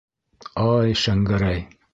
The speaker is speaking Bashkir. Ай, Шәңгәрәй...